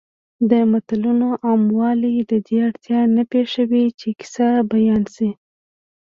د متلونو عاموالی د دې اړتیا نه پېښوي چې کیسه بیان شي